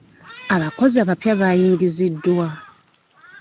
Abakozi abapya bayingiziddwa.